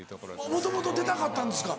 もともと出たかったんですか？